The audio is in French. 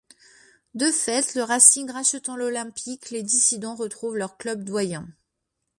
De fait, le Racing rachetant l'Olympique, les dissidents retrouvent leur club doyen.